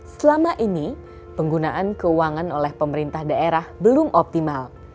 selama ini penggunaan keuangan oleh pemerintah daerah belum optimal